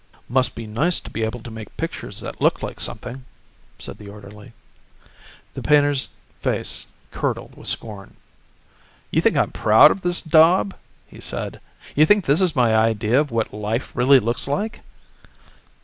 "Must be nice to be able to make pictures that look like something," said the orderly. The painter's face curdled with scorn. "You think I'm proud of this daub?" he said. "You think this is my idea of what life really looks like?"